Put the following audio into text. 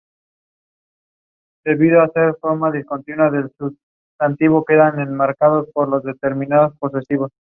Es sobrino de la cantante cubana Olga Guillot.